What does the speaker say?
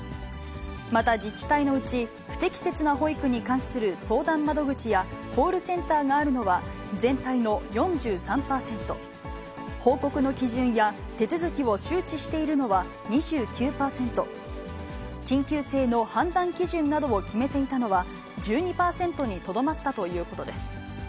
また自治体のうち、不適切な保育に関する相談窓口やコールセンターがあるのは全体の４３％、報告の基準や手続きを周知しているのは２９％、緊急性の判断基準などを決めていたのは１２％にとどまったということです。